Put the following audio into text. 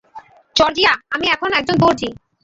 Georgia, আমি এখন একজন দর্জি।